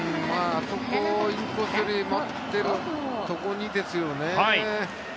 インコースで待っているところにですよね。